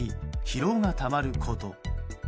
疲労がたまること。